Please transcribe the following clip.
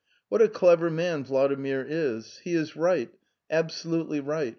What a clever man Vladimir is! He is right; wonderfully right!